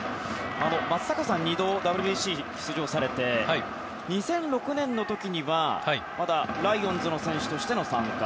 松坂さん、２度ＷＢＣに出場されて２００６年の時には、まだライオンズの選手としての参加。